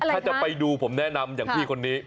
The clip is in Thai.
ถ้าจะไปดูผมแนะนำอย่างพี่คนนี้